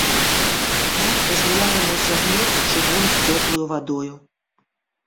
Матка зняла яму з загнету чыгун з цёплаю вадою.